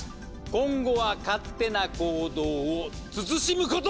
今後は勝手な行動を慎むこと！